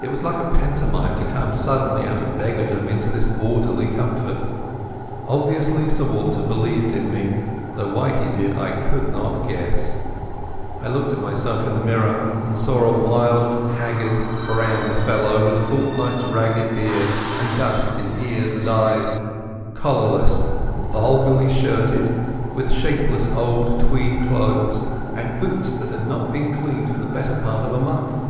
It was like a pantomime, to come suddenly out of beggardom into this orderly comfort. Obviously Sir Walter believed in me, though why he did I could not guess. I looked at myself in the mirror and saw a wild, haggard brown fellow, with a fortnight's ragged beard, and dust in ears and eyes, collarless, vulgarly shirted, with shapeless old tweed clothes and boots that had not been cleaned for the better part of a month.